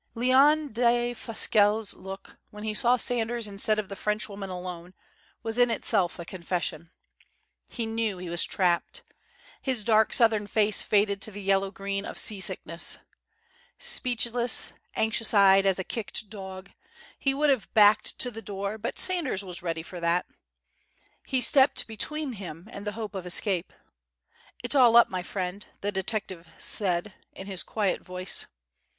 Leon Defasquelle's look, when he saw Sanders instead of the Frenchwoman alone, was in itself a confession. He knew he was trapped. His dark, southern face faded to the yellow green of seasickness. Speechless, anxious eyed as a kicked dog, he would have backed to the door, but Sanders was ready for that. He stepped between him and the hope of escape. "It's all up, my friend," the detective said, in his quiet voice.